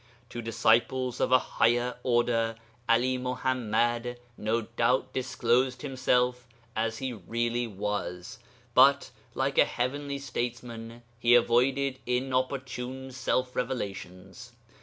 To disciples of a higher order 'Ali Muḥammad no doubt disclosed himself as he really was, but, like a heavenly statesman, he avoided inopportune self revelations.